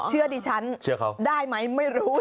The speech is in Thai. เชื่อดิฉันได้ไหมไม่รู้